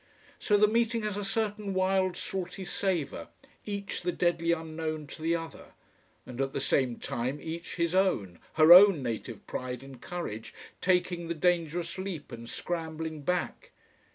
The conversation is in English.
So the meeting has a certain wild, salty savour, each the deadly unknown to the other. And at the same time, each his own, her own native pride and courage, taking the dangerous leap and scrambling back.